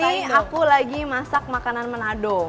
ini aku lagi masak makanan manado